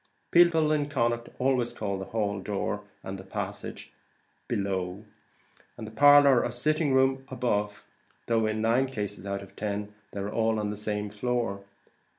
People in Connaught always call the hall, door, and passage "below," the parlour, or sitting room, "above," though, in nine cases out of ten, they are on the same floor.